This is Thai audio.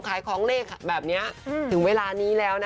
ขายของเลขแบบนี้ถึงเวลานี้แล้วนะคะ